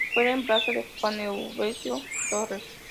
Fue el reemplazo de Juan Eusebio Torrent.